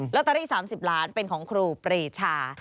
ตเตอรี่๓๐ล้านเป็นของครูปรีชา